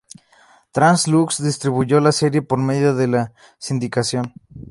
Trans-Lux distribuyó la serie por medio de la sindicación.